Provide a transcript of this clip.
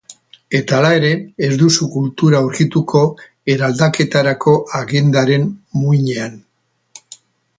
Eta hala ere, ez duzu kultura aurkituko eraldaketarako agendaren muinean.